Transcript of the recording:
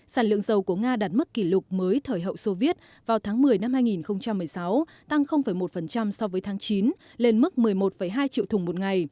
sản lượng dầu của nga đạt mức kỷ lục mới thời hậu soviet vào tháng một mươi năm hai nghìn một mươi sáu tăng một so với tháng chín lên mức một mươi một hai triệu thùng một ngày